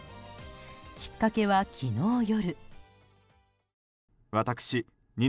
きっかけは昨日夜。